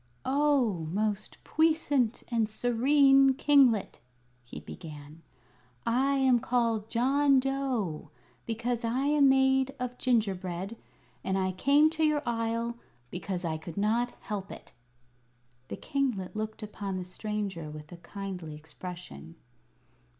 "Oh, most puissant and serene kinglet!" he began; "I am called John Dough, because I am made of gingerbread; and I came to your Isle because I could not help it." The kinglet looked upon the stranger with a kindly expression.